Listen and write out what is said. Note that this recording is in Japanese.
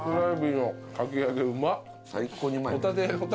最高にうまいな。